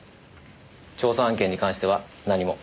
調査案件に関しては何も。